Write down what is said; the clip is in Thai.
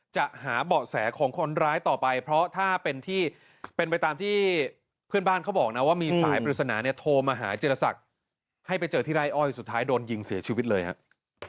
จะหาเบาะแสของคนร้ายต่อไปเพราะถ้าเป็นที่เป็นไปตามที่เพื่อนบ้านเขาบอกนะว่ามีสายปริศนาเนี่ยโทรมาหาจิลศักดิ์ให้ไปเจอที่ไร่อ้อยสุดท้ายโดนยิงเสียชีวิตเลยครับ